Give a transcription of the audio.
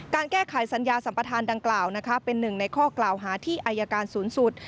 การแก้ไขสัญญาสัมปทานดังกล่าวนะคะเป็นหนึ่งในข้อกล่าวหาที่อายการสูงสุด